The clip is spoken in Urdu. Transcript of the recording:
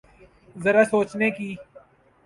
ذرا سوچنے کی۔